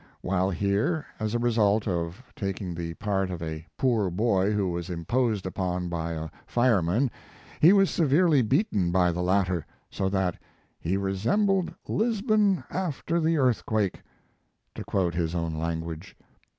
While here, as a result of taking the part of a poor boy who was imposed upon by a fireman, he was severely beaten by the latter, so that "he resembled Lisbon after the earthquake, " to quote his own language.